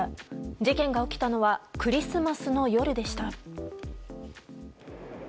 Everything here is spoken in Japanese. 事件が起きたのはクリスマスの夜でした。